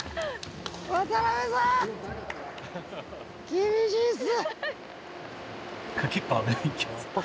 厳しいっす！